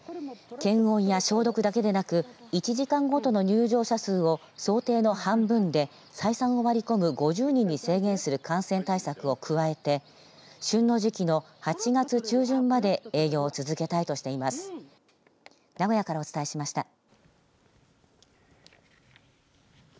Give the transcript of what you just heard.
検温や消毒だけでなく１時間ごとの入場者数を想定の半分で採算を割り込む５０人に制限する感染対策を加えて旬の時期の８月中旬まで営業を続けたいとしています。